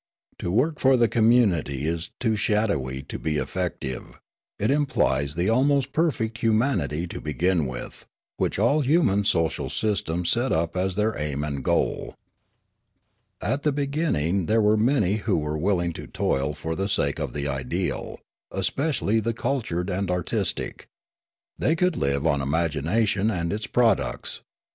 To work for the communit} is too shadowy to be effective ; it implies the almost perfect humanity to begin with, which all human social systems set up as their aim and goal. " At the beginning there were many who were will ing to toil for the sake of the ideal, especially the cul tured and artistic. They could live on imagination and its products.